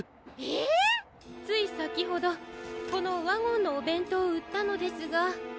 ついさきほどこのワゴンのおべんとうをうったのですが。